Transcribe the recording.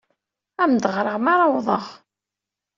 Ad am-d-ɣreɣ mi ara awḍeɣ.